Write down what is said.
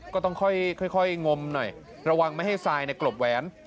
ก็ต้องค่อยค่อยค่อยงมหน่อยระวังไม่ให้ซายในกรบแหวน